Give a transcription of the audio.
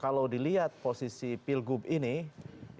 kalau kita lihat posisi pilkada dki jakarta